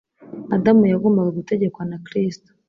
Adamu yagombaga gutegekwa na Kristo.